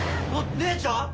姉ちゃん！？